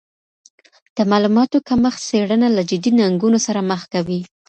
د معلوماتو کمښت څېړنه له جدي ننګونو سره مخ کوي.